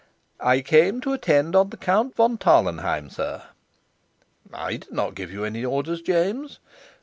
"I came to attend on the Count von Tarlenheim, sir." "I did not give you any orders, James."